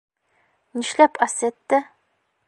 Нишләп Асетте?